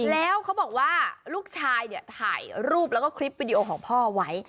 แล้วเขาบอกว่าลูกชายเนี่ยถ่ายรูปแล้วก็คลิปวิดีโอของพ่อไว้